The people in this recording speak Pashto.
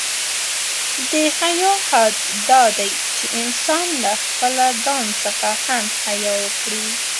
د حیا حد دا دی، چې انسان له خپله ځان څخه هم حیا وکړي.